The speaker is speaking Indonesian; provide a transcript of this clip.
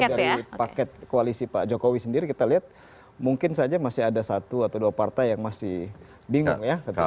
kalau dari paket koalisi pak jokowi sendiri kita lihat mungkin saja masih ada satu atau dua partai yang masih bingung ya